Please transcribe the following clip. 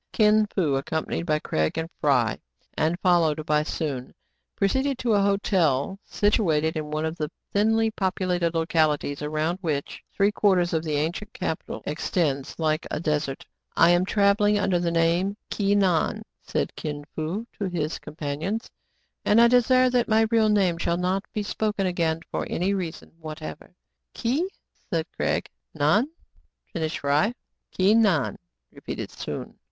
Kin Fo, accompanied by Craig and Fry, and fol lowed by Soun, proceeded to a hotel, situated in one of the thinly populated localities, around which 1 The meaning of Tai ping. Il8 TRIBULATIONS OF A CHINAMAN, three quarters of the ancient capital extends like a desert. "I am travelling under the name of Ki Nan," said Kin Fo to his companions ; "and I desire that my real name shall not be spoken again for any reason whatever/* " Ki — said Craig. " Nan," finished Fry. " Ki Nan/* repeated Soun.